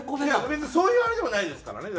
別にそういうあれでもないですからね。